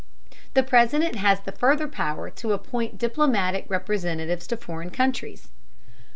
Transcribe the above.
The President has the further power to appoint diplomatic representatives to foreign countries.